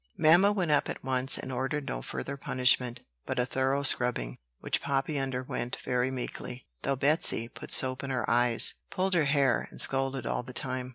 Mamma went up at once, and ordered no further punishment, but a thorough scrubbing; which Poppy underwent very meekly, though Betsey put soap in her eyes, pulled her hair, and scolded all the time.